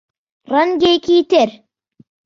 ڕەنگێکی تر